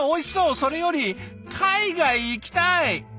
それより海外行きたい！